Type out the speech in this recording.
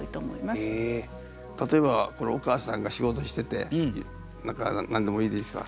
例えばこれお母さんが仕事してて何か何でもいいですわ。